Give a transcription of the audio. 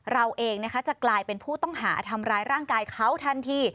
เราเองนะคะจะกลายเป็นผู้ต้องหาทำร้ายร่างกายเขาทันที